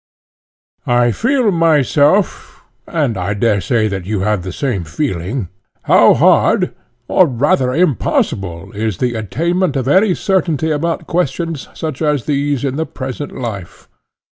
I feel myself, (and I daresay that you have the same feeling), how hard or rather impossible is the attainment of any certainty about questions such as these in the present life.